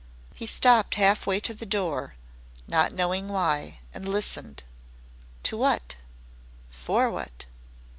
He stopped half way to the door, not knowing why, and listened. To what for what?